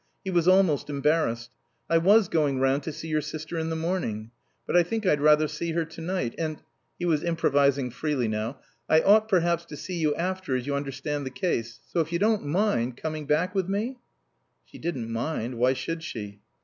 He was almost embarrassed. "I was going round to see your sister in the morning. But I think I'd rather see her to night. And " He was improvising freely now "I ought, perhaps, to see you after, as you understand the case. So, if you don't mind coming back with me " She didn't mind. Why should she?